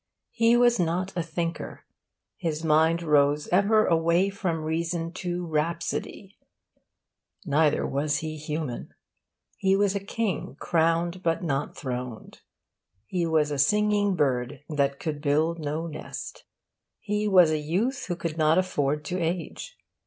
He was not a thinker: his mind rose ever away from reason to rhapsody; neither was he human. He was a king crowned but not throned. He was a singing bird that could build no nest. He was a youth who could not afford to age.